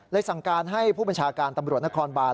สั่งการให้ผู้บัญชาการตำรวจนครบาน